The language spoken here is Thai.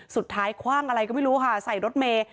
คว่างอะไรก็ไม่รู้ค่ะใส่รถเมย์